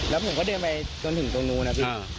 แล้วผมก็เดินไปจนถึงตรงนู้นนะพี่